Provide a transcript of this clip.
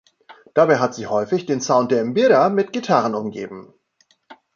Dabei hat sie häufig den Sound der Mbira mit Gitarren umgeben.